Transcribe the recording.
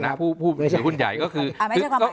ในฐานะผู้ถือหุ้นใหญ่ก็คือ